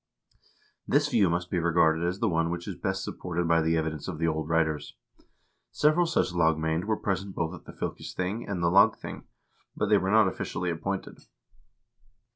This view must be regarded as the one which is best supported by the evidence of the old writers. Several such lagmand were present both at the fylkesthing and the lagthing, but they were not officially appointed.